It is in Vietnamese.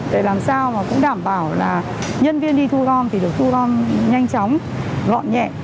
để làm sao cũng đảm bảo nhân viên đi thu gom thì được thu gom nhanh chóng gọn nhẹ